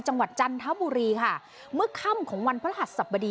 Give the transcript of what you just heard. จังหวัดจัลทร์ท้าบุรีค่ะเมื่อค่ำของวันพระหัส